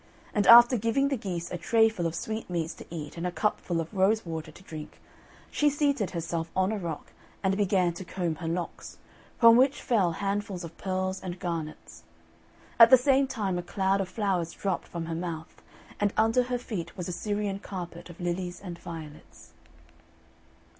And after giving the geese a trayful of sweetmeats to eat and a cupful of rose water to drink, she seated herself on a rock and began to comb her locks, from which fell handfuls of pearls and garnets; at the same time a cloud of flowers dropped from her mouth, and under her feet was a Syrian carpet of lilies and violets.